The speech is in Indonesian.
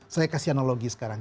saya kasih analogi sekarang